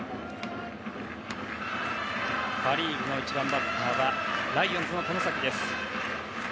パ・リーグの１番バッターはライオンズの外崎です。